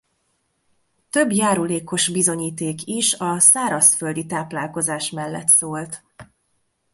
Több járulékos bizonyíték is a szárazföldi táplálkozás mellett szólt.